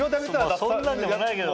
そんなんでもないけど。